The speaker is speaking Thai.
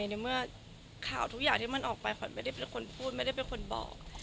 ในเมื่อข่าวทุกอย่างที่มันออกไปขวัญไม่ได้เป็นคนพูดไม่ได้เป็นคนบอก